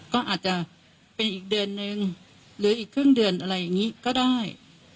ก็อาจจะเป็นอีกเดือนนึงหรืออีกครึ่งเดือนอะไรอย่างนี้ก็ได้